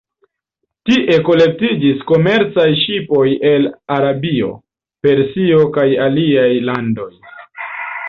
Tie kolektiĝis komercaj ŝipoj el Arabio, Persio kaj aliaj landoj.